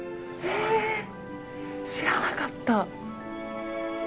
え知らなかった。